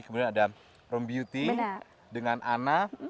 kemudian ada room beauty dengan ana